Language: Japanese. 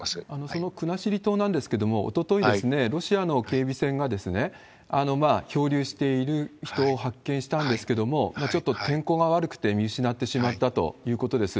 その国後島なんですけど、おととい、ロシアの警備船が漂流している人を発見したんですけれども、ちょっと天候が悪くて見失ってしまったということです。